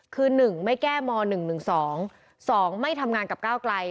คือ๑ไม่แก้ม๑๑๒๒ไม่ทำงานกับก้าวไกล